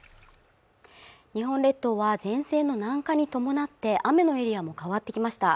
日本列島は前線の南下に伴って雨のエリアも変わってきました